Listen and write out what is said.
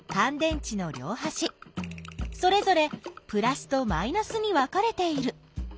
それぞれプラスとマイナスに分かれている。